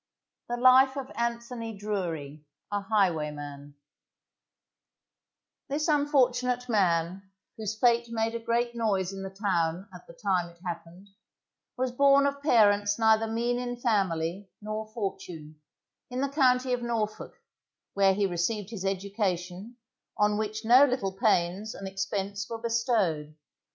The Life of ANTHONY DRURY, a Highwayman This unfortunate man, whose fate made a great noise in the town at the time it happened, was born of parents neither mean in family nor fortune, in the county of Norfolk, where he received his education, on which no little pains and expense were bestowed.